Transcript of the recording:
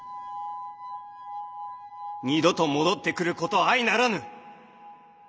二度と戻ってくること相ならぬ！